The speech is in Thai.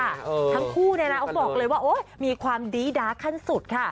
ทั้งคู่เนี่ยนะเขาบอกเลยว่าโอ๊ยมีความดีด้าขั้นสุดค่ะ